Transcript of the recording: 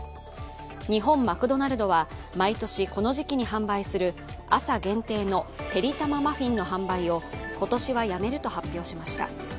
日本マクドナルドは毎年、この時期に販売する朝限定のてりたまマフィンの販売を今年はやめると発表しました。